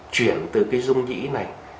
chuyển từ cái dung nhĩ này